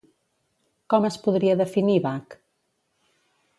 Com es podria definir bac?